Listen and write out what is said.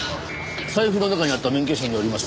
財布の中にあった免許証によりますとですね